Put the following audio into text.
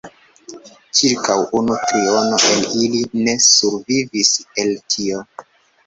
Ĉirkaŭ unu triono el ili ne survivis el tio.